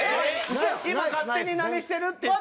今勝手に何してる？って言って。